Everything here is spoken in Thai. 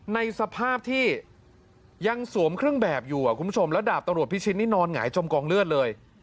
ในสภาพที่ยังสวมเครื่องแบบอยู่คุณผู้ชมแล้วดาบตำรวจพิชิตนี่นอนหงายจมกองเลือดเลย